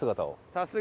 さすが！